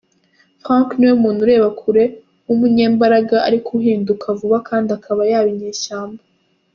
Frank ni umuntu ureba kure, w’umunyembaraga ariko uhinduka vuba kandi akaba yaba inyeshyamba.